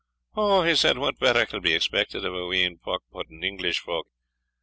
"Ou," he said, "what better could be expected of a wheen pock pudding English folk?